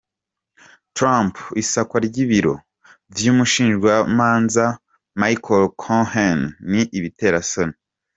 Trump: Isakwa ry'ibiro vy'umushingwamanza Michael Cohen'ni ibiterasoni'.